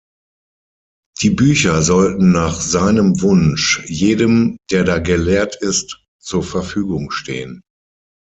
Die Bücher sollten nach seinem Wunsch jedem „der da gelehrt ist“ zur Verfügung stehen.